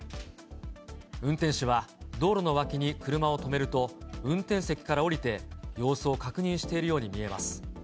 運転手は道路の脇に車を止めると、運転席から降りて様子を確認しているように見えます。